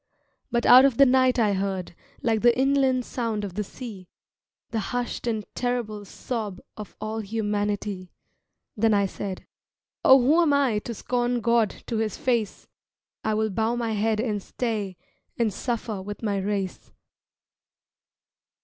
But out of the night I heard, Like the inland sound of the sea, The hushed and terrible sob Of all humanity. Then I said, "Oh who am I To scorn God to his face? I will bow my head and stay And suffer with my race."